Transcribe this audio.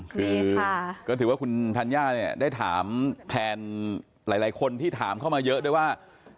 คือคือคุณธัญญาได้ถามแผนหลายคนที่ถามเข้ามาเยอะด้วยว่า